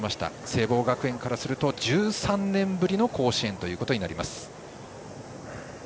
聖望学園からすると１３年ぶりの甲子園となります。